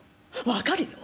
分かるよ。